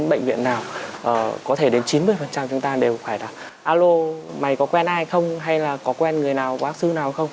bệnh viện nào có thể đến chín mươi chúng ta đều phải là alo mày có quen ai không hay là có quen người nào bác sư nào không